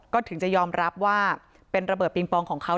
ก็ถึงจะยอมรับว่าเป็นระเบิดปิงปองของเขา